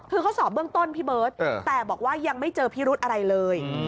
คือเขาสอบเบื้องต้นพี่เบิร์ตแต่บอกว่ายังไม่เจอพิรุธอะไรเลย